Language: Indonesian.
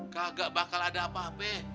kagak bakal ada apa apa